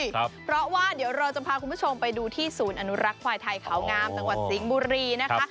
เพราะว่าเดี๋ยวเราจะพาคุณผู้ชมไปดูที่ศูนย์อนุรักษ์ควายไทยเขางามจังหวัดสิงห์บุรีนะคะ